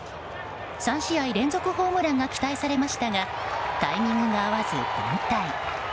３試合連続ホームランが期待されましたがタイミングが合わず凡退。